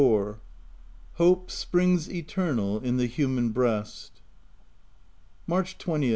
6i HOPE SPRINGS ETERNAL IN THE HUMAN BREAST." March 20th.